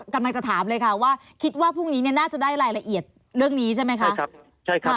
กำลังจะถามเลยค่ะว่าคิดว่าพรุ่งนี้เนี่ยน่าจะได้รายละเอียดเรื่องนี้ใช่ไหมคะ